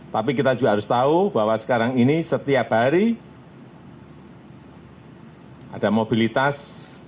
tapi kita juga harus tahu bahwa sekarang ini setiap hari ada mobilitas